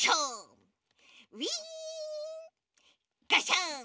ウインガシャン。